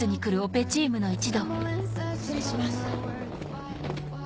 失礼します。